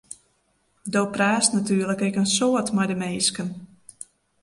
Do praatst natuerlik ek in protte mei de minsken.